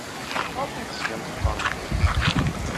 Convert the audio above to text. Maɣef ay tezgamt teɣɣaremt-d?